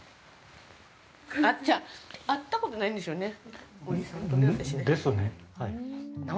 会ったことないんですよね。